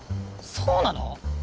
そうなの？